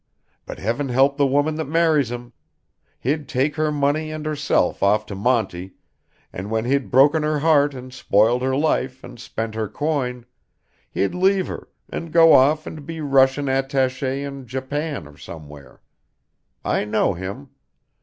But Heaven help the woman that marries him. He'd take her money and herself off to Monte, and when he'd broken her heart and spoiled her life and spent her coin, he'd leave her, and go off and be Russian attaché in Japan or somewhere. I know him.